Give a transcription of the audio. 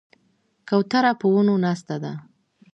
کوتره په ونو ناسته ده.